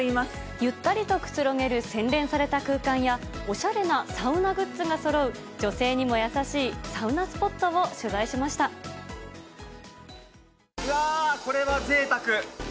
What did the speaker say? ゆったりとくつろげる洗練された空間や、おしゃれなサウナグッズがそろう女性にも優しいサウナスポットをうわー、これはぜいたく！